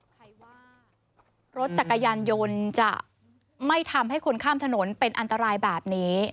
ใครว่ารถจักรยานยนต์จะไม่ทำให้คนข้ามถนนเป็นอันตรายแบบนี้